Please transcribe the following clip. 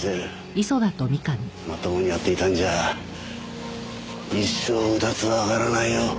まともにやっていたんじゃ一生うだつは上がらないよ。